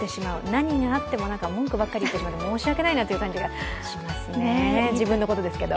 何があっても文句ばっかり言ってしまって申し訳ないなという感じがしますね、自分のことですけど。